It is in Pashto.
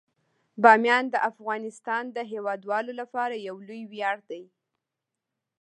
بامیان د افغانستان د هیوادوالو لپاره یو لوی ویاړ دی.